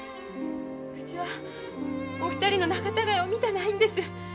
うちはお二人の仲たがいを見たないんです。